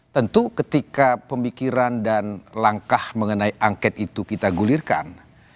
tentu ketika pemikiran dan langkah mengenai angket itu kita gulirkan